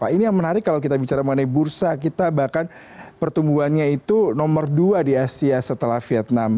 ini yang menarik kalau kita bicara mengenai bursa kita bahkan pertumbuhannya itu nomor dua di asia setelah vietnam